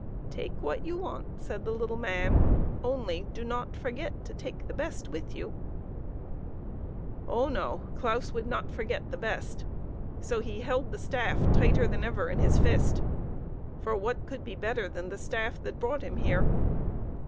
" Take what you want," said the little man, "only do not forget to take the best with you." Oh no; Claus would not forget the best; so he held the staff tighter than ever in his fist for what could be better than the staff that brought him there